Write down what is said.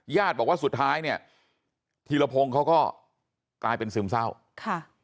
ญาติบอกว่าสุดท้ายเนี่ยธีรพงศ์เขาก็กลายเป็นซึมเศร้าค่ะ